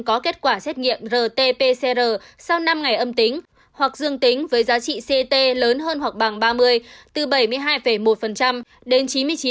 có kết quả xét nghiệm rt pcr sau năm ngày âm tính hoặc dương tính với giá trị ct lớn hơn hoặc bằng ba mươi từ bảy mươi hai một đến chín mươi chín